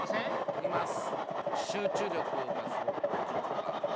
聞きます。